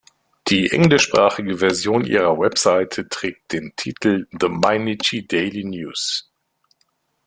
Die englischsprachige Version ihrer Website trägt den Titel The Mainichi Daily News.